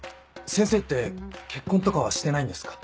先生って結婚とかはしてないんですか？